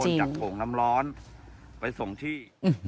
จากโถงน้ำร้อนไปส่งที่